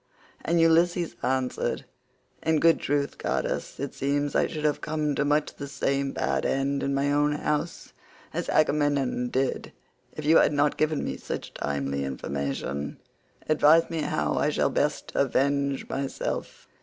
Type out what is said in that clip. And Ulysses answered, "In good truth, goddess, it seems I should have come to much the same bad end in my own house as Agamemnon did, if you had not given me such timely information. Advise me how I shall best avenge myself.